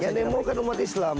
kita mau ke umat islam